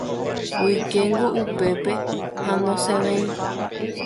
Oikéngo upépe ha nosẽvéi.